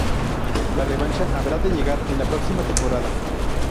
La revancha habrá de llegar en la próxima temporada.